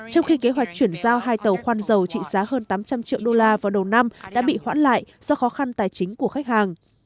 trong khi kế hoạch chuyển giao hai tàu khoan dầu trị giá hơn tám trăm linh triệu đô la vào đầu năm đã bị hoãn lại do khó khăn tài chính của khách hàng